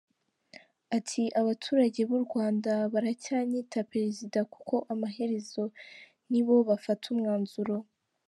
Ati “Abaturage b’u Rwanda baracyanyita Perezida kuko amaherezo nibo bafata umwanzuro.”